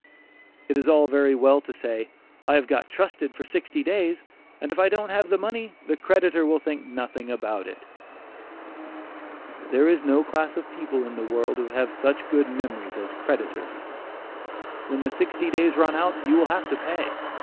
It is all very well to say, "I have got trusted for sixty days, and if I don't have the money, the creditor will think nothing about it." There is no class of people in the world who have such good memories as creditors. When the sixty days run out, you will have to pay.